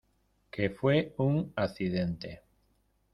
que fue un accidente.